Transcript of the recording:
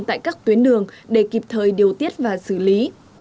tại các tuyến đường để kịp thời điều tiết và xử lý